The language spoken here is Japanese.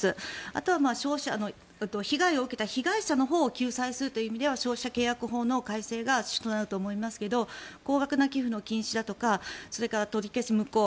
あとは被害を受けた被害者のほうを救済するという意味では消費者契約法の改正が主となると思いますが高額な寄付の禁止だとか取り消し、無効。